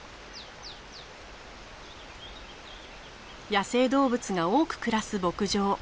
野生動物が多く暮らす牧場。